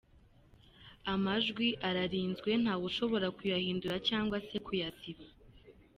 Amajwi ararinzwe nta wushobora kuyahindura cyangwa se kuyasiba.